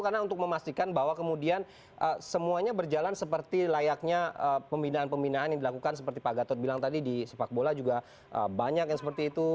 karena untuk memastikan bahwa kemudian semuanya berjalan seperti layaknya pembinaan pembinaan yang dilakukan seperti pak gatot bilang tadi di sepak bola juga banyak yang seperti itu